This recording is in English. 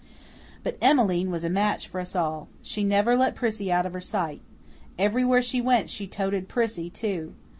But Emmeline was a match for us all. She never let Prissy out of her sight. Everywhere she went she toted Prissy, too.